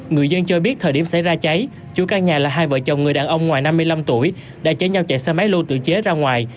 người dân cho biết thời điểm xảy ra cháy chủ căn nhà là hai vợ chồng người đàn ông ngoài năm mươi năm tuổi đã chở nhau chạy xe máy lô tự chế ra ngoài